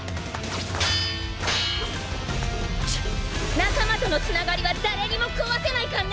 仲間とのつながりは誰にも壊せないかんね！